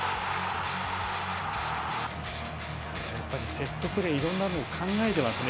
セットプレー、いろんなの考えてますね。